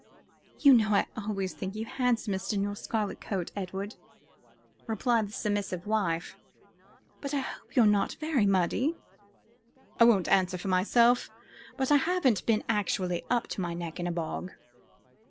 "You know I always think you handsomest in your scarlet coat, Edward," replied the submissive wife, "but I hope you're not very muddy." "I won't answer for myself; but I haven't been actually up to my neck in a bog."